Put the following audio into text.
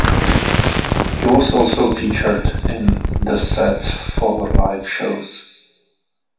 He was also featured in the sets for live shows.